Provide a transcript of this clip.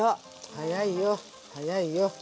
早いよ早いよ。